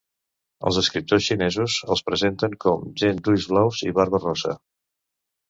Els escriptors xinesos els presenten com gent d'ulls blaus i barba rossa.